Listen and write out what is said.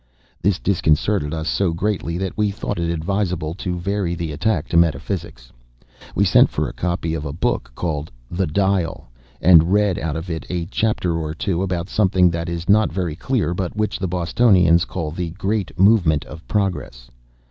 This disconcerted us so greatly that we thought it advisable to vary the attack to Metaphysics. We sent for a copy of a book called the "Dial," and read out of it a chapter or two about something that is not very clear, but which the Bostonians call the Great Movement of Progress.